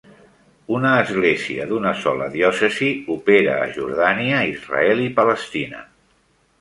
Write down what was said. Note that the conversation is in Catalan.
Una església d'una sola diòcesi opera a Jordània, Israel i Palestina.